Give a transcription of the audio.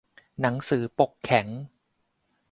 หนังสือปกแข็ง